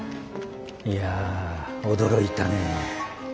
いや驚いたね。